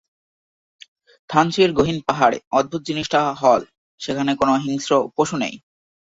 থানচির গহীন পাহাড়ে অদ্ভুত জিনিসটা হল সেখানে কোন হিংস্র পশু নেই।